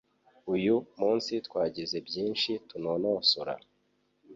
Uyu munsi twagize byinshi tunonosora.